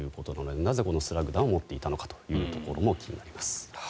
なぜ、このスラッグ弾を持っていたのかというところも気になります。